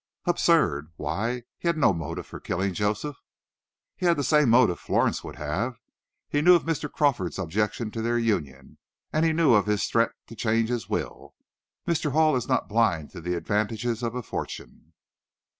"Absurd! Why, he had no motive for killing Joseph." "He had the same motive Florence would have. He knew of Mr. Crawford's objection to their union, and he knew of his threat to change his will. Mr. Hall is not blind to the advantages of a fortune."